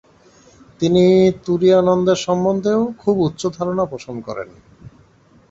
তিনি তুরীয়ানন্দের সম্বন্ধেও খুব উচ্চ ধারণা পোষণ করেন।